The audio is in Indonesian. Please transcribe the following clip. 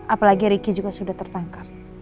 apalagi riki juga sudah tertangkap